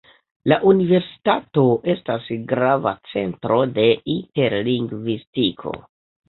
La universitato estas grava centro de interlingvistiko.